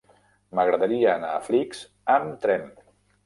M'agradaria anar a Flix amb tren.